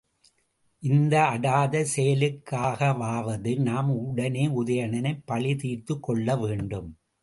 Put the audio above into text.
இந்த அடாத செயலுக்காகவாவது நாம் உடனே உதயணனைப் பழி தீர்த்துக்கொள்ள வேண்டும்.